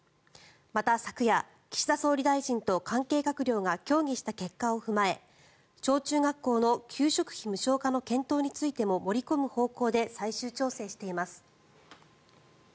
また、昨夜岸田総理大臣と関係閣僚が協議した結果を踏まえ小中学校の給食費無償化の検討についても盛り込む方向で最終調整しています。